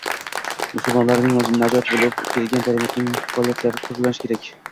musulmonlarning – najot bo‘lib kelgan ta’limot egalarining faolliklari turlanishi kerak